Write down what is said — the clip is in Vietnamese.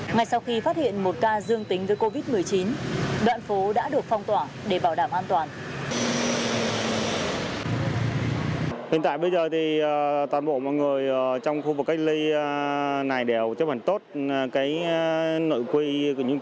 ngay sau khi phát hiện một ca dương tính với covid một mươi chín đoạn phố đã được phong tỏa để bảo đảm an toàn